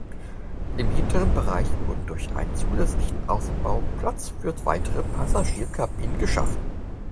Im hinteren Bereich wurden durch einen zusätzlichen Aufbau Platz für weitere Passagierkabinen geschaffen.